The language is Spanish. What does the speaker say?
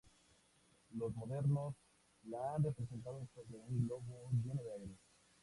Los modernos la han representado sobre un globo lleno de aire.